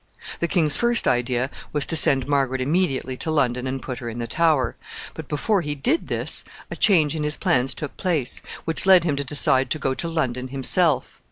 The king's first idea was to send Margaret immediately to London and put her in the Tower; but, before he did this, a change in his plans took place, which led him to decide to go to London himself.